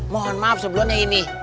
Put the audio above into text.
mohon maaf sebelumnya ini